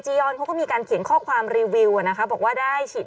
ยอนเขาก็มีการเขียนข้อความรีวิวนะคะบอกว่าได้ฉีด